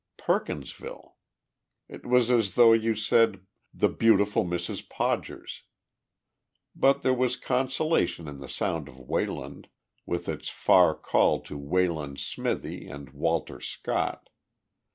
Perkinsville! It was as though you said the beautiful Mrs. Podgers. But there was consolation in the sound of Wayland, with its far call to Wayland's smithy and Walter Scott.